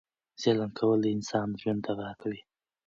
ظلم کول د انسان ژوند تبا کوي.